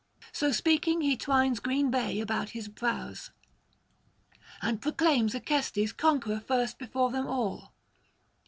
So speaking, he twines green bay about his brows, and proclaims Acestes conqueror first before them all.